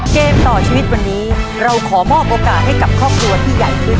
เกมต่อชีวิตวันนี้เราขอมอบโอกาสให้กับครอบครัวที่ใหญ่ขึ้น